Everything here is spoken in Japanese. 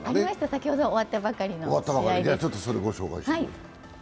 先ほど終わったばかりの試合です。